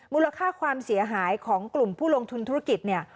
มูลค่าความเสียหายของกลุ่มผู้ลงทุนธุรกิจเนี่ย